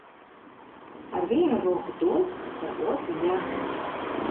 Ar vienu roku dod, ar otru ņem.